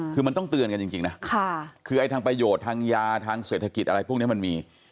คือมันต้องเตือนกันจริงนะคือไอ้ทางประโยชน์ทางยาทางเศรษฐกิจอะไรพวกนี้มันมี